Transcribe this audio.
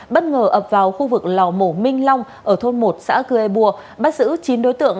bất ngờ ập vào khu vực lò mổ minh long ở thôn một xã cư ê bua bắt giữ chín đối tượng